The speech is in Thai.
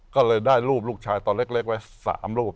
ก็เลยได้รูปลูกชายตอนเล็กไว้๓รูป